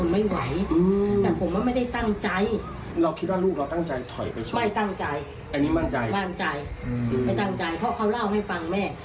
ไม่ตั้งใจไม่ตั้งใจเพราะเขาเล่าให้ฟังแม่